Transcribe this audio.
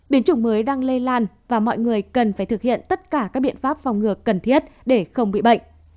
biến chủng mới đang lây lan và mọi người cần phải thực hiện tất cả các biện pháp phòng ngừa cần thiết để không bị bệnh